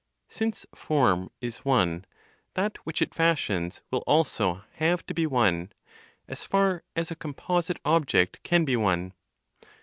Since (form) is one, that which it fashions will also have to be one, as far as a composite object can be one.